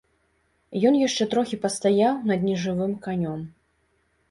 Ён яшчэ трохі пастаяў над нежывым канём.